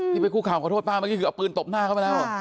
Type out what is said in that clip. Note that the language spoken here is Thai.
ไปคุกข่าวขอโทษป้าเมื่อกี้คือเอาปืนตบหน้าเข้ามาแล้ว